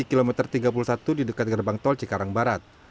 kepolisian kampung jawa barat